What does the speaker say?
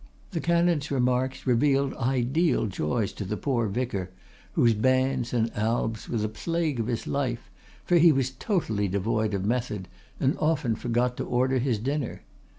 The canon's remarks revealed ideal joys to the poor vicar, whose bands and albs were the plague of his life, for he was totally devoid of method and often forgot to order his dinner.